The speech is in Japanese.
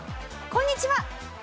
「こんにちは！」。